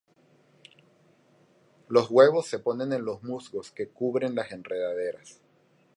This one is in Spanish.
Los huevos se ponen en los musgos que cubren las enredaderas.